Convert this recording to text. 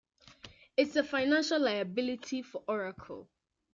It's a financial liability for Oracle.